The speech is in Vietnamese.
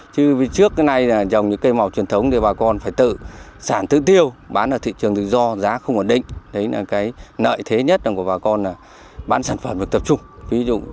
chứ trước cái nay là dòng những cây màu truyền thống thì bà con phải tự sản tự tiêu bán ở thị trường tự do giá không ổn định đấy là cái nợ thế nhất của bà con là bán sản phẩm được tập trung